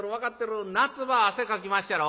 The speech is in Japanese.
夏場汗かきまっしゃろ。